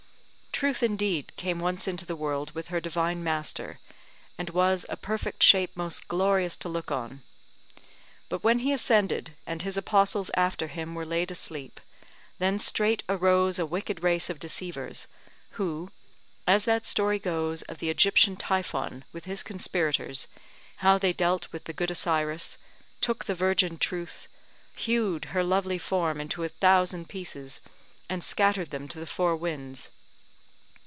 Truth indeed came once into the world with her divine Master, and was a perfect shape most glorious to look on: but when he ascended, and his Apostles after him were laid asleep, then straight arose a wicked race of deceivers, who, as that story goes of the Egyptian Typhon with his conspirators, how they dealt with the good Osiris, took the virgin Truth, hewed her lovely form into a thousand pieces, and scattered them to the four winds.